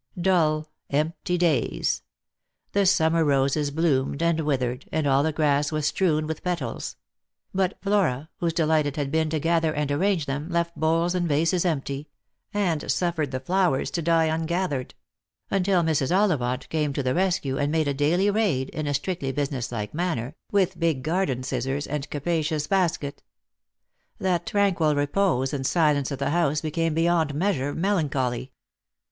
Dull, empty days. The summer roses bloomed and withered,, and all the grass was strewn with petals ; but Flora, whose delight it had been to gather and arrange them, left bowls and vases empty, and suffered the flowers to die ungathered; until Mrs. Ollivant came to the rescue, and made a daily raid, in sl strictly business like manner, with big garden scissors and capa cious basket. That tranquil repose and silence of the house became beyond measure melancholy.